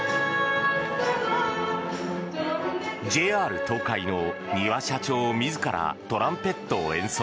ＪＲ東海の丹羽社長自らトランペットを演奏。